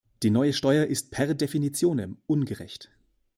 Die neue Steuer ist per definitionem ungerecht.